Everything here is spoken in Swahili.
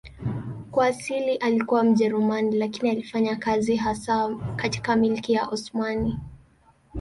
Kwa asili alikuwa Mjerumani lakini alifanya kazi hasa katika Milki ya Osmani.